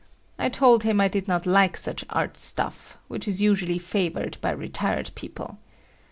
I told him I did not like such art stuff, which is usually favored by retired people.